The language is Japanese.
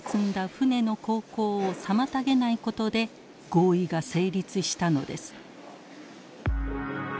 船の航行を妨げないことで合意が成立したのです。